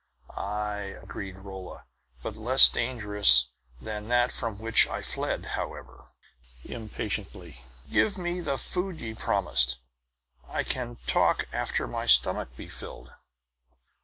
"Aye," agreed Rolla, "but less dangerous than that from which I fled. However," impatiently, "give me the food ye promised; I can talk after my stomach be filled."